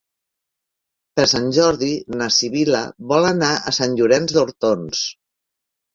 Per Sant Jordi na Sibil·la vol anar a Sant Llorenç d'Hortons.